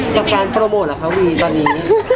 กับการโปรโมทเหรอคะวีตอนนี้